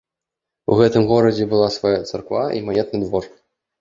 У гэтым горадзе была свая царква і манетны двор.